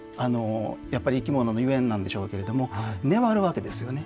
やっぱり生き物のゆえんなんでしょうけれども粘るわけですよね。